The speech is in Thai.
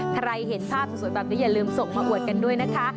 ใครเห็นภาพสวยแบบนี้อย่าลืมส่งมาอวดกันด้วยนะคะ